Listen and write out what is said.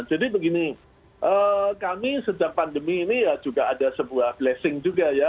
jadi begini kami sejak pandemi ini ya juga ada sebuah blessing juga ya